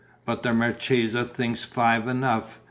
"But the marchesa thinks five enough.